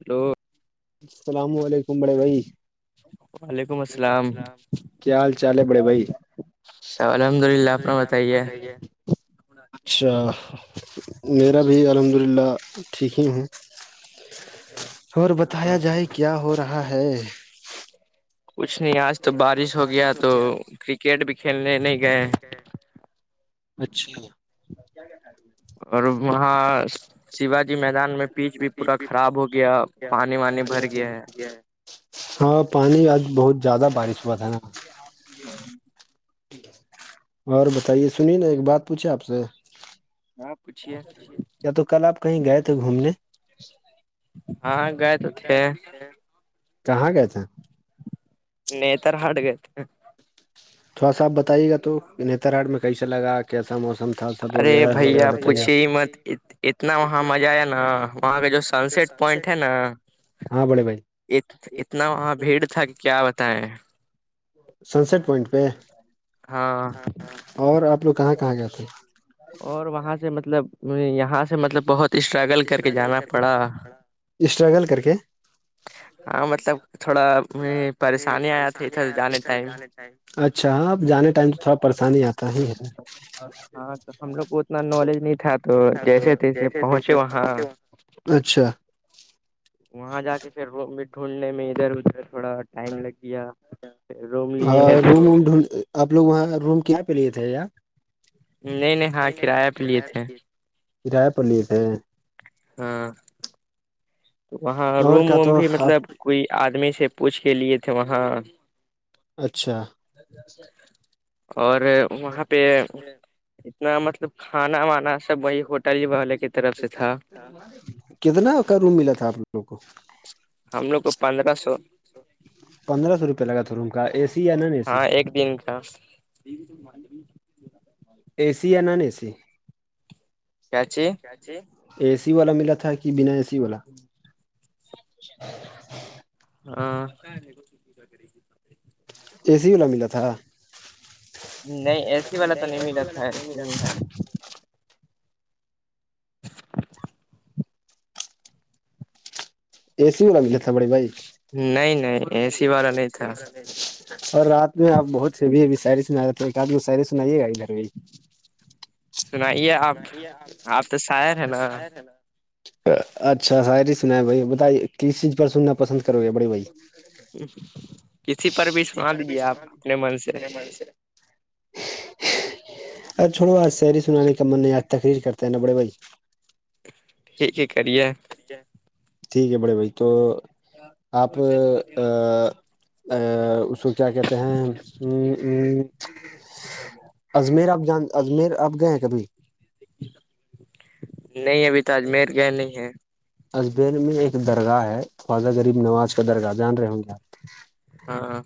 Hello السلام علیکم بڑے بھائی وعلیکم السلام کیا حال چال ہے بڑے بھائی؟ ا الحمد للہ آپنا بتائیے اچھا میرا بھی الحمد للہ ٹھیک ہی ہوں اور بتایا جائے کیا ہو رہا ہے کچھ نہیں آج تو بارش ہو گیا تو کرکٹ بھی کھیلنے نہیں گئے اچھلی اور وہاں شیواجی میدان میں پیچ بھی پورا خراب ہو گیا پانی وانی بھر گیا ہے ہاں پانی آج بہت زیادہ بارش ہوا تھا نا اور بتائیے سنیے نا ایک بات پوچھے آپ سے یا تو کل آپ کہیں گئے تھے گھومنے ہاں گائے کہاں گئے تھے نہیںتر ہاڈ گئے تھ تھوڑا سا آپ بتائیے گا تو نیتراڑ میں کیسا لگا کیسا موسم ارے بھیا پوچھیے مت اتنا وہاں مزہ ہے نا وہاں کا جو سن سٹ پوائنٹ ہے نا ہاں بڑے بھائی ا اتنا وہاں بھیڑ تھا کہ کیا بتائےیں سن سٹ پوائنٹ پہ اور آپ لوگ کہاں کہاں گئے تھے اور وہاں سے مطلب یہاں سے مطلب بہت اسٹرگل کر کے جانا پڑا اسٹرگل کر کے ہاں مطلب تھوڑا پریشانی آیا تھاھی ادھر جانے ٹائم اچھا اب جانے ٹائم تو تھوڑا پریشانی آتا ی ہے تھا تو جیسے جیسے پہنچے اچھا وہاں جا کے پھر روم بھی ڈھونڈنے میں ادھر ادھر تھوڑا ٹائم لگ گیا پھر روم لیے تو آپ لوگ وہاں روم کیا یہاں پہ لیے تھے ییا نہیں نہیں ہاں کرایہ پہ لیے تھے ہ رائے پلییٹ ہیں ہاں تو وہاں روم ووم بھی مطلب کوئی آدمی سے پوچھ کے لیے تھے وہاں اچھا اور وہاں پہ انا مطلب کھانا وانا سب وہی ہوٹل ہی والے کے طرف سے تھا کتنا کا روم ملا تھا آپ لوگوں کو ہم لوگ کو پندرہ سو پندرہ سو روپیہ لگا تھا روم کا اے سی یا نان اے سی اے سی یا نان اے سی کیاچی اے سی والا ملا تھا کہ بنا اے سی والا ہاں اے سی والا ملا تھا نہیں اے سی والا تو نہیں ملا تھا ایسی ہی اے سی والا بھی نہیں تھا بڑی بھائی نہیں نہیں ا سی والڑا نہیں اور رات میں آپ بہت سے بھی ابھی شاعری سنا رہے تھ ایک رات میں شاعری سنائیے گا ادھر بھی سنائیے آپ آپ تو شاعر ہے نا اچھا ساعری سنا ہے بھائی بتائیے کس چیز پر سننا پسند کرو گے بڑی بھائی کسی پر بھی سنا دیجیے آپ اپنے من سے ار چھوڑو بات سےر سناال تقریر کرتے ہیں ن بڑے بھائی ٹھیک ہے بڑے بھائی تو آپ اس وقت کیا کہتے ہیں ا اجمیر آپ جان اجمیر آپ گئے ہیں کبھی نہیں ابھی ت ااجمیر گئے نہیں ہے اجبیر میں ایک درگاہ ہے خواہ غریب نواز کا درگاہ جان رہے ہوں گے آپ ہاں ہاں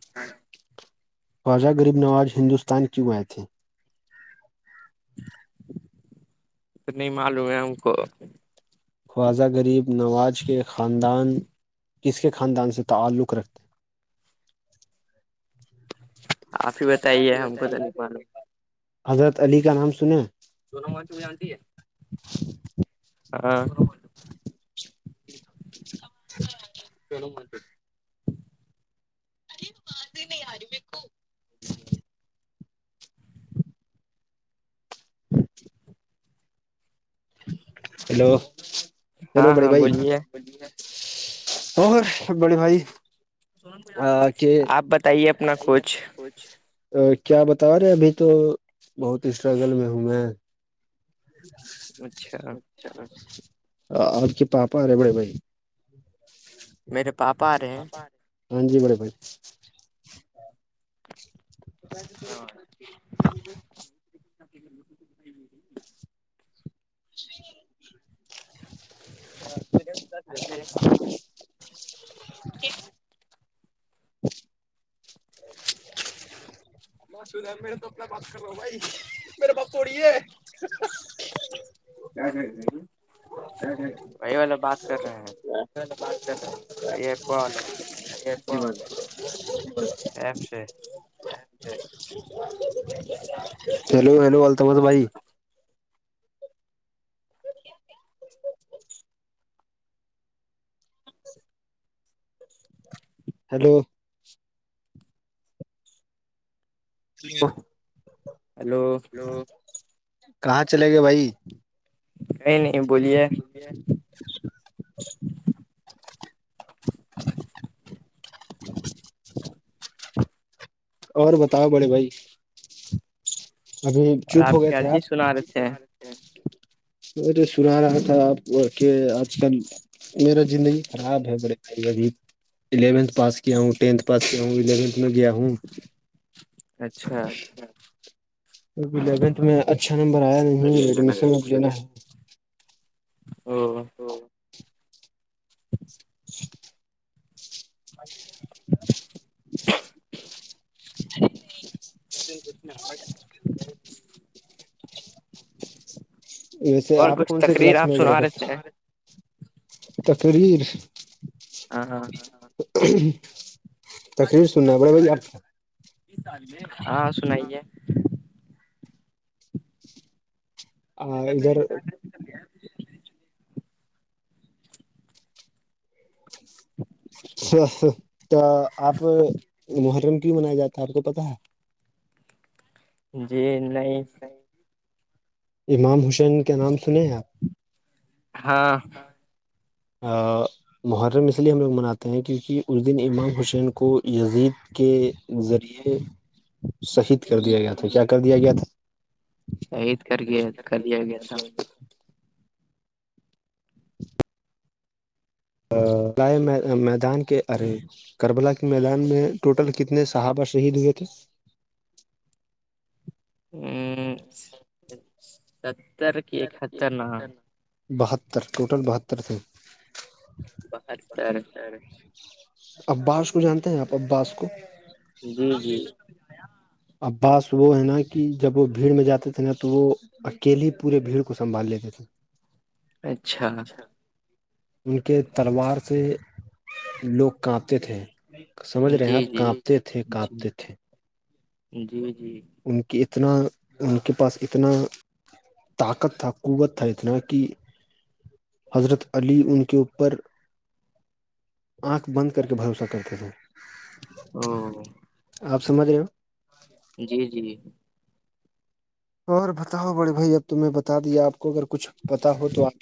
خواجہ غریب نوااز ہندوستان کیوں آئے تھے تو نہیں معلوموم ہے ہم کو خواضہ غریب نواز کے خاندان کس کے خاندان سے تعلق رکھتے ہیں آپ ہی بتائیے ہم کو د نہیں پا س نواںچ میں جانتی ہے ہاں گف ےگ کلوں من آواز ہی نہیں آ رہی ویک اچ ہیلو ہیلو بڑی بھائی اور بڑے بھائی آپ بتائیے اپنا کچھ کیا بتا رہے ابھی تو بہت اسٹرگل میں ہوں میں ج اچھا اور کے پاپا ارے بڑے بھائی ا ہاں جی بڑے بھائی ہاں ج میرے یک بسو د میرے تو اپنا باپ کر لو بھائی میر باپ اڑی ہے کیا گ وہی والا بات کر رہے ہیںپ والا اب سے ہیلو ہیلو التمت بھائی ہیلو چے ہیلو و کہاں چلے گئے بھائی نہیں نہیں بولیے اور بتاؤ بڑے بھائی ابھی چوپ ہو گئے تھے آپ چ سناتے ہیں وہ سنا رہا تھا آپ کہ آج کل میرا زندگی خراب ہے بڑے باری اب الیون پس کیا ہوں ٹینتھ پ ہوں الیونتھ میں گیا ہوں الیونتھ میں اچھا نمبر آیا نہیں ایڈمیشن لینا ہے او تو گب ثگچ د ویسے آپ کون سے کلاس میں پڑے ہو تقریر ہاں ہاں گچ ہاں سنائیے آ ادھر اچھ آپ محرم کیوں منائے جاتے تو آپ کو پتاہ ہے جی نہیں امام حسین کا نام سن ہیں آپ ہاں محرم اس لیے ہم لوگ مناتے ہیں کیونکہ اس دن امام حسین کو یزید کے ذریعے شہید کر دیا گیا تھا کیا کر دیا گیا تھا اید کر کے کرییا گے تھا [inaudible] لائے میدان کے ارے کربلا کے میدان میں ٹوٹل کتنے صحابہ شہید ہوئے تھے [inaudible] بہتر ٹوٹل بہتر تھے بت سر ار [unintelligible] [inaudible] عباس کو جانتے ہیں آپ عباس کو اباس وہ ہے نا کہ جب وہ بھیڑ میں جاتے تھے نا تو وہ اکیلی پورے بھیڑ کو سنبھال لیتے تھے اچھا ان کے تلوار سے لوگ کانپتے تھے سمجھ رہے ہیں آپ کانپتے تھے کانپتے تھے جی جی ان کے اتنا ان کے پاس اتنا طاقت تھا قوت تھا اتنا کہ حضرت علی ان کے اوپر آنکھ بند کر کے بھروسہ کرتے تھے ا [inaudible] آپ سمجھ رہے ہو جی جی اور بتاؤ بڑے بھائی اب تمہیں بتا دیا آپ کو اگر کچھ پتا ہو تو آپ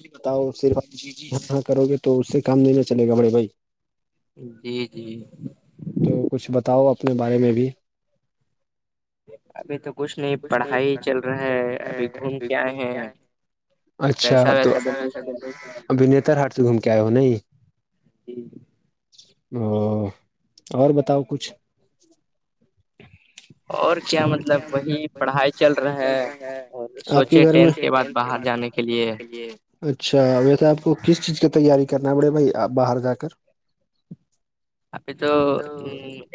صرف ج جی ہ کرو گے تو اس سے کام نہیںا چلے گا بڑے بھائی جی جی تو کچھ بتاؤ اپنے بارے میں بھی ابھی تو کچھ نہیں پڑھائی چل رہا ہے ابھی گھوم کے آئے ہیں اچھا تو ابنیتر ہاٹ سے گھوم کے آئے ہو نہیں جی [unintelligible] [inaudible] او اور بتاؤ کچھ [inaudible] اور کیا مطلب وہی پڑھائی چل رہا ہے اور سوچے ٹینتھ کے بعد باہر جانے کے کے لیے اچھا ویسے آپ کو کس چیز کی تیاری کرنا پڑے بھائی باہر جا کر ابھی تو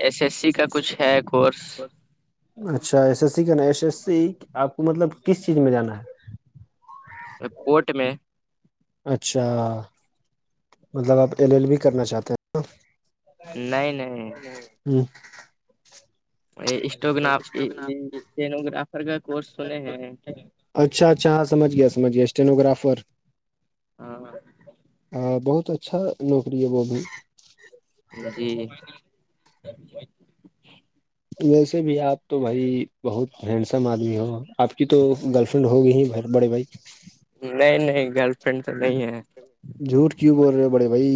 ایس ایس سی کا کچھ ہے کورس اچھا ایس ایس سی کہ ن ایس ایس سی آپ کو مطلب کس چیز میں جانا ہے کوٹ میں اچھا مطلب آپ ایل ایل بھی کرنا چاہتے ہیں نا ہ اسٹ اسینوگرافر کا کورس سنے ہیں اچھا اچھا ہاں سمج گیامج گیا اسٹینو گگرافر ہ بہت اچھا نوکری ہے وہ بھی جی ویسے بھی آپ تو بھائی بہت ہینسم آدمی ہو آپ کی تو گرلف ایکسنٹ ہو گئی ہیں بھر بڑے بھائی نہیں نہیں گرل فرینڈ تو نہیں ہے جھوٹ کیوں بول رہے ہو بڑے بھائی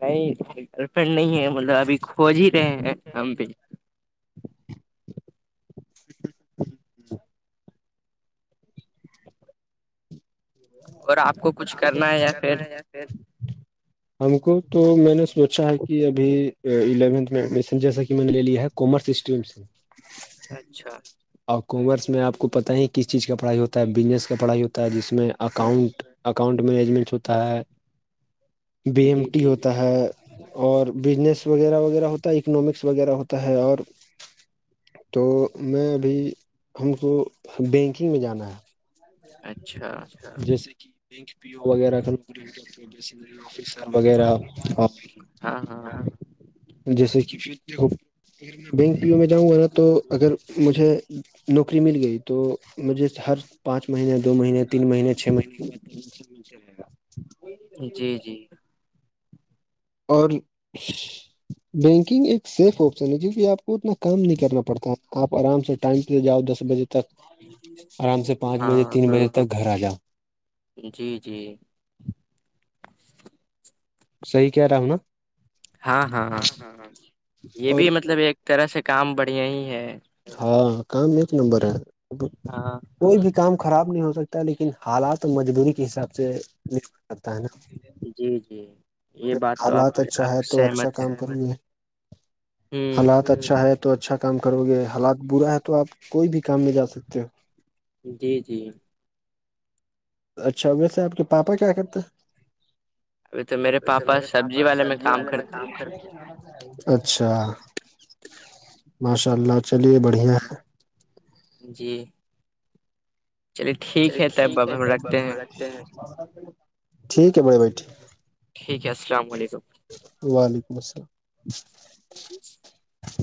نہیںپڈ نہیں ہے مطلب ابھی کھوج ہی رہے ہیں ہم بھی [inaudible] ہ ہ اور آپ کو کچھ کرنا ہے یا پھر ہم کو تو میں نے سوچا ہے کہ ابھی الیونتھ جیسا کہ میں نے لیا ہے کومرس اسٹم س اچھا اور کامرس میں آپ کو پتہ ہی کس چیز کا پڑھائی ہوتا ہے بزنس کا پڑھائی ہوتا ہے جس میں اکاؤنٹ اکاؤنٹ مینجمنٹ ہوتا ہے بی ایم ٹی ہوتا ہے اور بزنس وغیرہ وغیرہ ہوتا ہے اکنامکس وغیرہ ہوتا ہے اور تو میں ابھی ہم کو بینکنگ میں جانا ہے اچھا جیسے کہ بینک پی او وغیرہ کا نوکری کر مشنری آفیسر وغیرہ ہاں ہاں جیسے کہ پھر دیکھو بینک پیو میں جاؤں گا نا تو اگر مجھے نوکری مل گئی تو مجھے ہر پانچ مہینے دو مہینے تین مہینے چھ مہینے چلیے گا جی جی اور [inaudible] بینکنگ ایک سیف آپشن ہے جوک کہ آپ کو اتنا کام نہیں کرنا پڑتا ہے آپ آرام سے ٹائم پے جاؤ دس بجے تک آرام سے پانچ بجے تین بجے تک گھر آ جاؤ جی جی صحیح کہہ رہا ہوں نا ہاں ہاں یہ بھی مطلب ایک طرح سے کام بڑھیا ہی ہے ہاں کام ایک نمبر ہے ہاں کوئی بھی کام خراب نہیں ہو سکتا لیکن حالات مجبوری کے حساب سے نک سکتا ہے نا جی جی یہ بات تو آپ آپ سہمت ہے حالات اچھا ہے تو اچھا کام کرو گے حالات برا ہے تو آپ کوئی بھی کام میں جا سکتے ہو جی جی اچھا ویسے آپ کے پاپا کیا کرتے ابھی تو میرے پاپا سبزی والے میں کام کرتے ہیں بہن اجا اچھا ماشاء اللہ چلیے بڑھیا ہے جی چلیے ٹھیک ہے تب اب ہم رکھتے ہیں چلیے ٹھیک ہے بڑے بھائی ٹھیک ٹھیک ہے السلام علیکم وعلیکم السلام جی